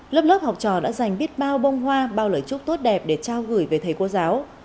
lớp lớp học trò đã dành biết bao bông hoa bao lời chúc tốt đẹp để trao gửi về thầy cô giáo